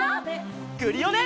クリオネ！